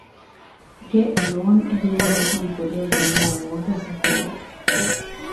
ގެ ލޯން އެހީގެ ދަށުން ކުރިއަށްގެންދާ ވޯޓަރ ސަޕްލައި،